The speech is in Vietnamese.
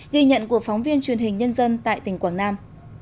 ghi nhận của phóng viên truyền hình nhân dân tại tỉnh quảng nam